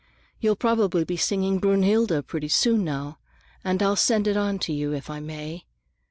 You'll probably be singing Brünnhilde pretty soon now, and I'll send it on to you, if I may.